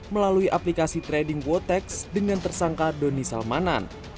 melalui aplikasi trading quotex dengan tersangka doni salmanan